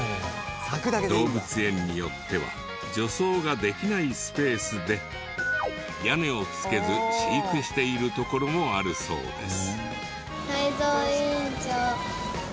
動物園によっては助走ができないスペースで屋根をつけず飼育している所もあるそうです。